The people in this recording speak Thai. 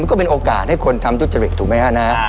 ก็เป็นโอกาสให้คนทำทุจริตถูกไหมฮะนะ